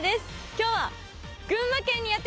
今日は。